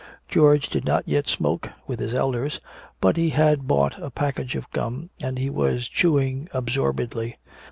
George did not yet smoke, (with his elders), but he had bought a package of gum and he was chewing absorbedly.